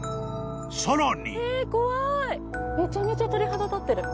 ［さらに］